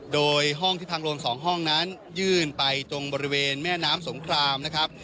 โดยห้องที่พังลง๒ห้องนั้นยื่นไปตรงบริเวณแม่น้ำสงครามนะครับ